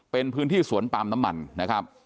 เป็นพื้นที่สวนปาล์มน้ำมันนะครับ